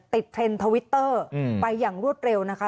เทรนด์ทวิตเตอร์ไปอย่างรวดเร็วนะคะ